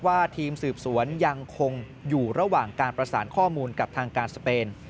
ทีมสืบสวนยังคงอยู่ระหว่างการประสานข้อมูลกับทางการสเปน